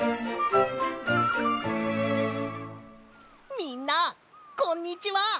みんなこんにちは！